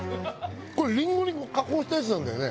これりんごに加工したやつなんだよね？